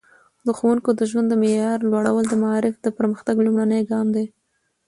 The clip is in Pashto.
د ښوونکو د ژوند د معیار لوړول د معارف د پرمختګ لومړنی ګام دی.